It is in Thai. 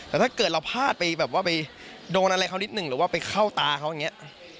แต่ถ้าเกิดเราพลาดไปแบบว่าไปโดนอะไรเขานิดหนึ่งหรือว่าไปเข้าตาเขาอย่างนี้